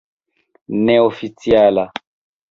neoficiala